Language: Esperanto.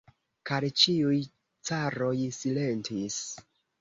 Kaj ĉiuj caroj silentis.